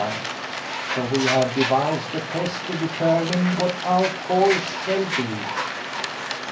So we have devised a test to determine what our course shall be."